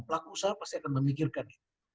pelaku usaha pasti akan memikirkan itu